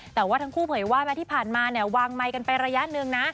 แต่ว่าทั้งคู่เผยว่าแม้ที่ผ่านมาเนี่ยวางไมค์กันไประยะหนึ่งนะ